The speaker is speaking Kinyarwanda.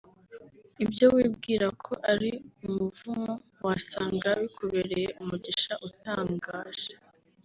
Ibyo wibwira ko ari umuvumo wasanga bikubereye umugisha utangaje